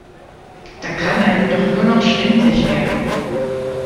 Da kann einem doch nur noch schwindlig werden!